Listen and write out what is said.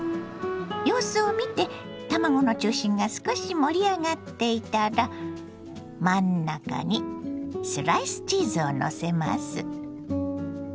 様子を見て卵の中心が少し盛り上がっていたら真ん中にスライスチーズをのせます。